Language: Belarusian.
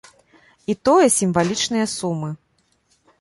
І тое сімвалічныя сумы.